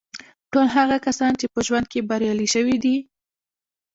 ټول هغه کسان چې په ژوند کې بریالي شوي دي